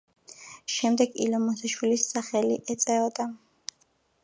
შემდეგ ილო მოსაშვილის სახელი ეწოდა.